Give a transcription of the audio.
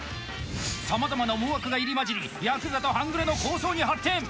さまざまな思惑が入り混じりヤクザと半グレの抗争に発展。